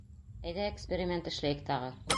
Әйҙә эксперимент эшләйек тағы.